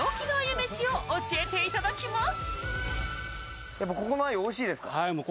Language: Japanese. めしを教えていただきます。